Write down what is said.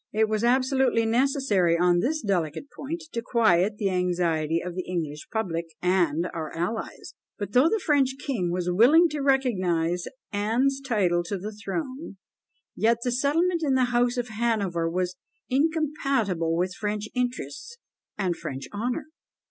It was absolutely necessary, on this delicate point, to quiet the anxiety of the English public and our allies; but though the French king was willing to recognise Anne's title to the throne, yet the settlement in the house of Hanover was incompatible with French interests and French honour.